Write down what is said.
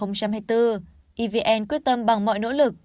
năm hai nghìn hai mươi bốn evn quyết tâm bằng mọi nỗ lực